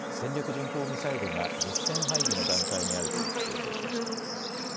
巡航ミサイルが実戦配備の段階にあると強調しました。